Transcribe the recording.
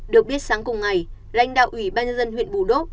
được biết sáng cùng ngày lãnh đạo ủy ban nhân dân huyện bù đốc